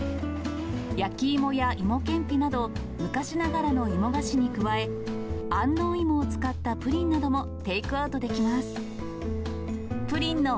焼き芋や芋けんぴなど、昔ながらの芋菓子に加え、安納芋を使ったプリンなどもテイクアウトできます。